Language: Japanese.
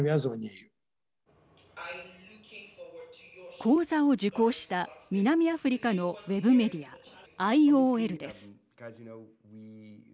講座を受講した南アフリカのウェブメディアＩＯＬです。